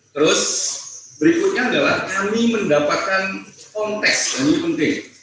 terus berikutnya adalah kami mendapatkan konteks yang ini penting